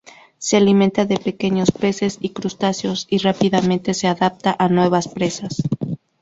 Se alimenta de pequeños peces y crustáceos, y rápidamente se adapta a nuevas presas.